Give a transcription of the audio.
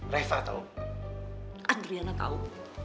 reva tau adriana tau